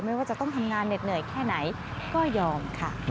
ไม่ว่าจะต้องทำงานเหน็ดแค่ไหนก็ยอมค่ะ